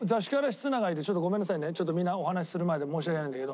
ちょっとみんなお話しする前で申し訳ないんだけど。